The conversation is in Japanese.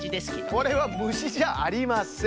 これはむしじゃありません。